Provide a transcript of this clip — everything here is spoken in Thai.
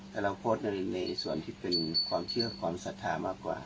แต่เราโพสต์ในส่วนที่เป็นความเชื่อความศรัทธามากกว่า